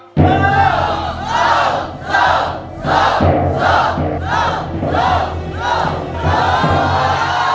สู้